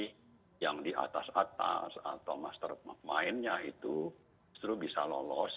nanti yang di atas atas atau mastermind nya itu selalu bisa lolos